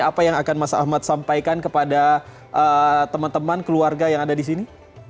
apa yang akan mas ahmad sampaikan kepada teman teman keluarga yang ada di sini